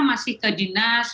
masih ke dinas